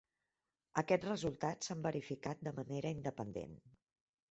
Aquests resultats s'han verificat de manera independent.